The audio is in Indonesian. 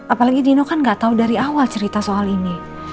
apalagi dino kan gak tahu dari awal cerita soal ini